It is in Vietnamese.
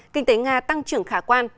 kinh tế nga tăng trưởng khả quan